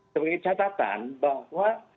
sebagai catatan bahwa